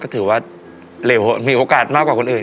ถือว่าเร็วมีโอกาสมากกว่าคนอื่น